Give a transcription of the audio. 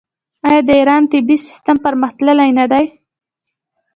آیا د ایران طبي سیستم پرمختللی نه دی؟